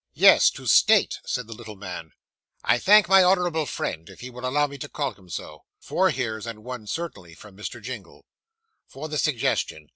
'Yes, to state,' said the little man, 'I thank my honourable friend, if he will allow me to call him so (four hears and one certainly from Mr. Jingle), for the suggestion.